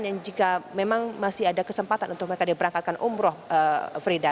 yang jika memang masih ada kesempatan untuk mereka diberangkatkan umroh frida